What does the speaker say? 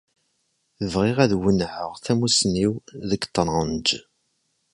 Bɣiɣ ad wennεeɣ tamusni-w deg ṭṭrenǧ.